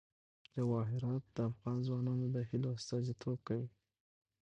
جواهرات د افغان ځوانانو د هیلو استازیتوب کوي.